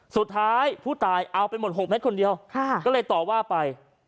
สุดท้ายผู้ตายเอาไปหมด๖เมตรคนเดียวก็เลยต่อว่าไป